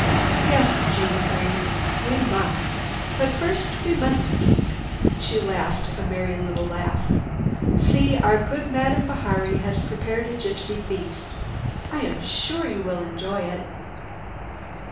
"Yes," Jeanne agreed. "We must! But first we must eat." She laughed a merry laugh. "See! Our good Madame Bihari has prepared a gypsy feast. I am sure you will enjoy it."